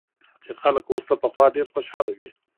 چې خلک اوس له پخوا ډېر خوشاله وي